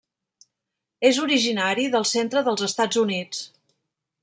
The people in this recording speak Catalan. És originari del centre dels Estats Units.